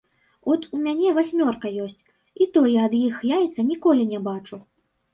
От у мяне васьмёра ёсць, і то я ад іх яйца ніколі не бачу.